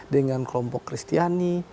dengan kelompok kristiani